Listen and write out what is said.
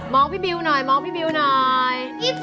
พี่บิวหน่อยมองพี่บิวหน่อย